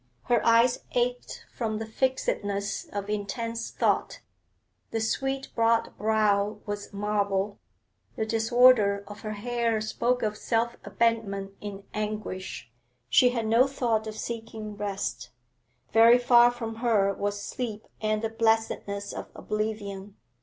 Her eyes ached from the fixedness of intense thought; the sweet broad brow was marble, the disorder of her hair spoke of self abandonment in anguish. She had no thought of seeking rest; very far from her was sleep and the blessedness of oblivion.